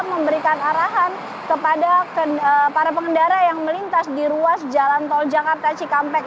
memberikan arahan kepada para pengendara yang melintas di ruas jalan tol jakarta cikampek